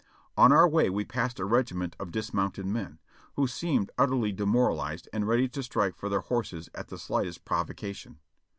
On our way w'e passed a regiment of dismounted men, who seemed utterly demoralized and ready to strike for their horses at the slightest provocation.